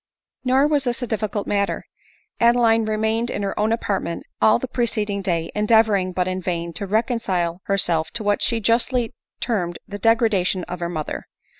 Nor was mis a difficult matter. Adeline remained in her own apartment all the preceding day, endeavoring, but in vain, to reconcile herself to what she justly term ed the degradation of her mother.